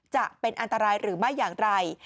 จะเป็นอันตรายหรือไม่อย่างไร